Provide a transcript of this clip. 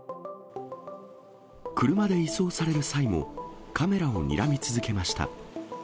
車で移送される際も、カメラをにらみ続けました。